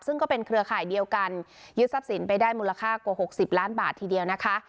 ซึ่งก็เป็นเครือข่ายเดียวกันยึดทรัพย์สินไปได้มูลค่ากว่า๖๐ล้านบาททีเดียวนะคะ